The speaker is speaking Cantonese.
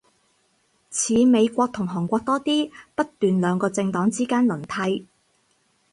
似美國同韓國多啲，不斷兩個政黨之間輪替